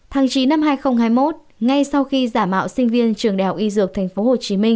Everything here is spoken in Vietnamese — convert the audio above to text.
tháng chín năm hai nghìn hai mươi một ngay sau khi giả mạo sinh viên trường đại học y dược tp hcm